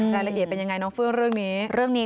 รายละเอียดเป็นยังไงน้องเฟื่องเรื่องนี้เรื่องนี้